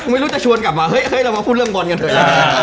ไม่รู้จะชวนกลับมาเราก็พูดเรื่องบอลกันเรื่อย